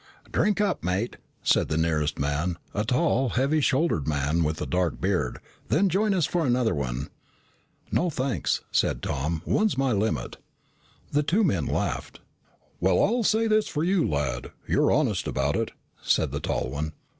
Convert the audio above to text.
"Drink up, mate," said the nearest man, a tall, heavy shouldered man with a dark beard, "then join us in another one." "No, thanks," said Tom. "One's my limit." The two men laughed. "Well, I'll say this for you, lad, you're honest about it," said the tall one.